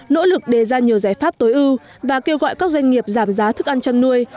nỗ lực đề ra nhiều giải pháp tối ưu và kêu gọi các doanh nghiệp giảm giá thức ăn chăn nuôi